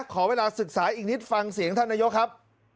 ขอเวลาศึกษาอีกนิดฟังเสียงท่านนายกครับ